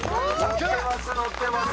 ノってます